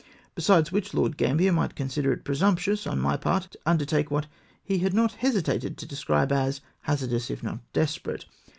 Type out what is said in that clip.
Besides wliich, Lord Gambler might consider it presumptuous on my part to undertake what he had not hesitated to describe as ' hazardous, if not desperate.'